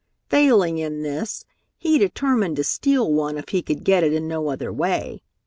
Failing in this, he determined to steal one if he could get it in no other way.